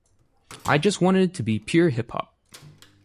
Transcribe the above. I just wanted it to be pure hip-hop.